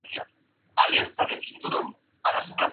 Con ella ha tenido dos hijas.